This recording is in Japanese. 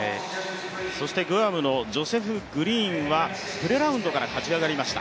そしてグアムのジョセフ・グリーンはプレラウンドから勝ち上がりました。